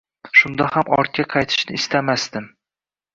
Shunda ham ortga qaytishni istamasdim.